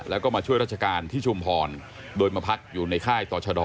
แล้วก็มาช่วยราชการที่ชุมพรโดยมาพักอยู่ในค่ายต่อชะดอ